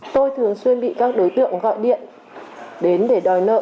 tôi thường xuyên bị các đối tượng gọi điện đến để đòi nợ